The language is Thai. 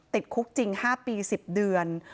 ติดคุกจริง๕ปี๑๐เดือน